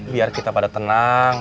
biar kita pada tenang